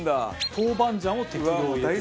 豆板醤を適量入れてください。